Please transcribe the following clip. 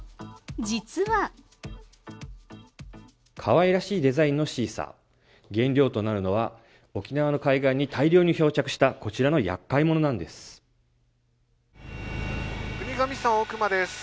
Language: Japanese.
実はかわいらしいデザインのシーサー原料となるのは沖縄の海岸に大量に漂着したこちらの厄介者なんです国頭村奥間です